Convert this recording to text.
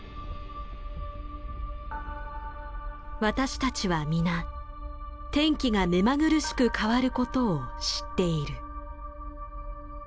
私たちは皆天気が目まぐるしく変わることを知っている。